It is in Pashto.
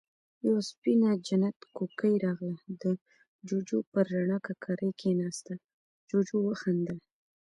يوه سپينه جنت کوکۍ راغله، د جُوجُو پر رڼه ککری کېناسته، جُوجُو وخندل: